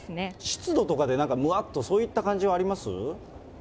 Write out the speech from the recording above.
湿度とかでなんか、むわっと、そういった感じはあります？